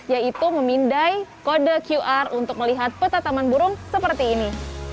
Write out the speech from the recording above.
yaitu memindai kode qr untuk melihat peta taman burung seperti ini